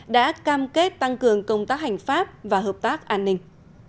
đã cam kết tăng cường công tác hành pháp và hợp tác an ninh